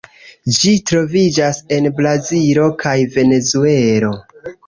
Ĝi troviĝas en Brazilo kaj Venezuelo.